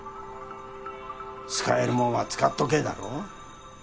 「使えるもんは使っとけ」だろ？